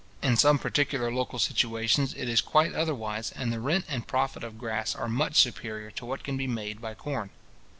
In some particular local situations it is quite otherwise, and the rent and profit of grass are much superior to what can be made by corn.